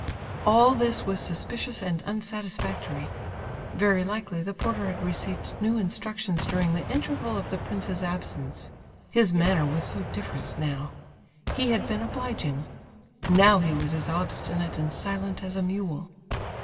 All this was suspicious and unsatisfactory. Very likely the porter had received new instructions during the interval of the prince's absence; his manner was so different now. He had been obliging—now he was as obstinate and silent as a mule.